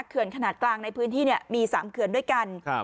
เขื่อนขนาดกลางในพื้นที่มี๓เขื่อนด้วยกัน